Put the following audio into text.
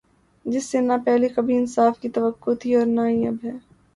جس سے نا پہلے کبھی انصاف کی توقع تھی اور نا ہی اب ہے